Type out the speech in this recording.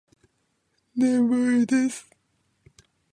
眠いです。